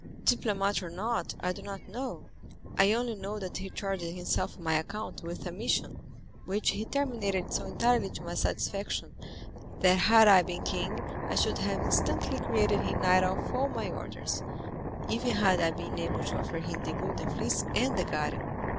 "Diplomat or not, I don't know; I only know that he charged himself on my account with a mission, which he terminated so entirely to my satisfaction, that had I been king, I should have instantly created him knight of all my orders, even had I been able to offer him the Golden Fleece and the Garter."